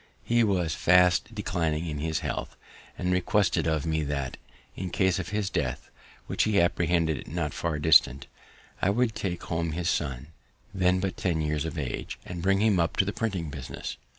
He was fast declining in his health, and requested of me that, in case of his death, which he apprehended not far distant, I would take home his son, then but ten years of age, and bring him up to the printing business.